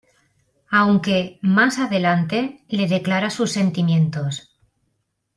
Aunque, más adelante le declara sus sentimientos.